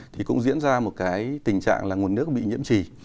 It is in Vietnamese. thì cũng diễn ra một cái tình trạng là nguồn nước bị nhiễm trì